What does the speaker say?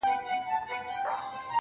o وي لكه ستوري هره شــپـه را روان.